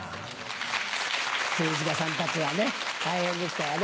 政治家さんたちは大変でしたよね。